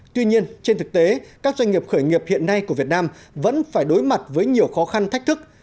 tuy nhiên trên thực tế các doanh nghiệp khởi nghiệp hiện nay của việt nam vẫn phải đối mặt với nhiều khó khăn thách thức